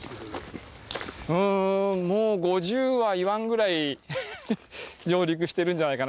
もう５０は言わないぐらい上陸しているんじゃないかな